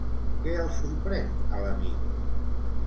Què el sorprèn a l'amic?